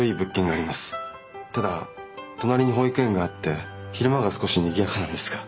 ただ隣に保育園があって昼間が少しにぎやかなんですが。